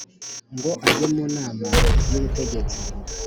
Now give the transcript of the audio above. ngo ajye mu nama y ubutegetsi